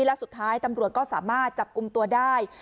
และสุดท้ายตำรวจก็สามารถจับกลุ่มตัวได้